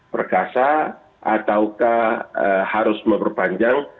perkasa ataukah harus memperpanjang